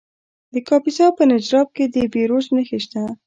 د کاپیسا په نجراب کې د بیروج نښې شته.